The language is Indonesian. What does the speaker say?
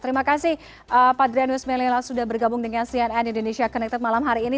terima kasih pak drianus melila sudah bergabung dengan cnn indonesia connected malam hari ini